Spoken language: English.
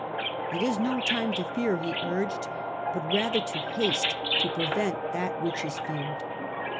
" It is no time to fear," he urged, " but rather to haste to prevent that which is feared."